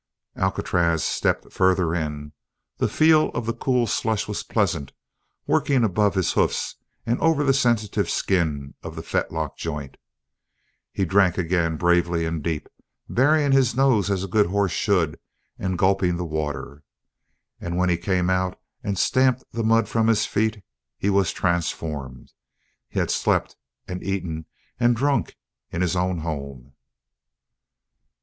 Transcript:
Alcatraz stepped further in. The feel of the cool slush was pleasant, working above his hoofs and over the sensitive skin of the fetlock joint. He drank again, bravely and deep, burying his nose as a good horse should and gulping the water. And when he came out and stamped the mud from his feet he was transformed. He had slept and eaten and drunk in his own home.